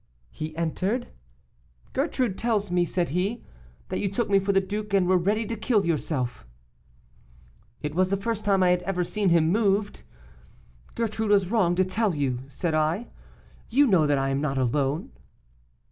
He entered. 'Gertrude tells me,' said he, 'that you took me for the duke, and were ready to kill yourself.' It was the first time I had ever seen him moved. Gertrude was wrong to tell you,' said I. 'You know that I am not alone.